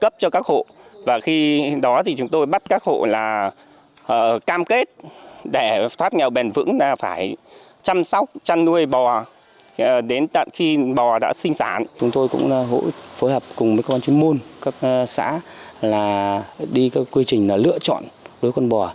phối hợp cùng các con chuyên môn các xã đi các quy trình lựa chọn đối với con bò